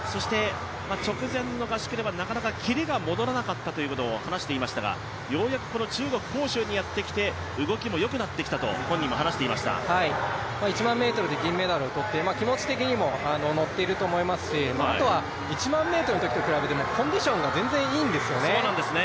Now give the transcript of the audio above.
直前の合宿では、なかなかキレが戻らなかったといことを話していましたがようやく、この中国・杭州にやってきて動きもよくなってきたと１００００ｍで銀メダルをとって気持ち的にも乗っていると思いますし、１００００ｍのときと比べてコンディションが全然いいんですよね。